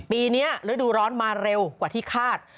ปีนี้ฤดูร้อนมาเร็วกว่าที่คาด